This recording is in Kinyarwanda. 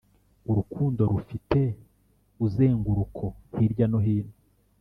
urukundo rufite uzenguruko'hirya no hino,